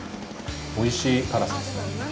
おいしい辛さですね。